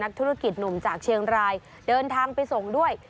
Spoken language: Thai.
ธุรกิจหนุ่มจากเชียงรายเดินทางไปส่งด้วย